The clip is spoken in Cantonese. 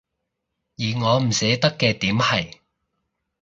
而我唔捨得嘅點係